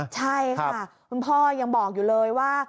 ใช่ค่ะคุณพ่อยังบอกอยู่เลยว่า